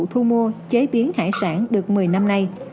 thu mua chế biến hải sản được một mươi năm nay